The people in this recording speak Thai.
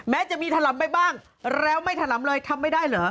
จะมีถล่ำไปบ้างแล้วไม่ถล่ำเลยทำไม่ได้เหรอ